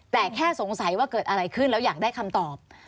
แต่แค่สงสัยว่าเกิดอะไรขึ้นแล้วอยากได้คำตอบ